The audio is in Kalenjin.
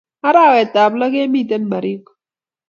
Arawet ab loo kemiten Baringo.